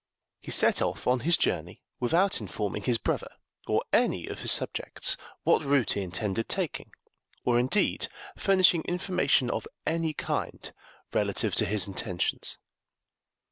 He set off on his journey without informing his brother, or any of his subjects, what route he intended taking, or, indeed, furnishing information of any kind relative to his intentions.